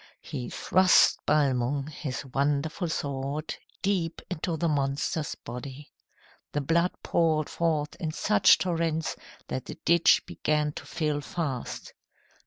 He thrust Balmung, his wonderful sword, deep into the monster's body. The blood poured forth in such torrents that the ditch began to fill fast.